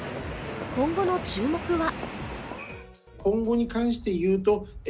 今後の注目は。